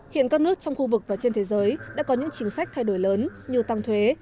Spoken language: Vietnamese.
hiện các nước trong khu vực và trên thế giới đã có những chính sách thay đổi lớn như tăng thuế